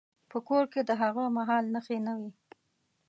په کور کې د هغه مهال نښې نه وې.